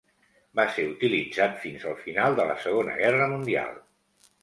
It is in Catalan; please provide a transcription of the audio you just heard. Va ser utilitzat fins al final de la Segona Guerra Mundial.